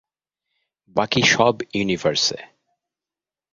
বাকি সব ইউনিভার্সে।